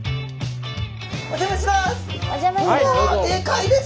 お邪魔します。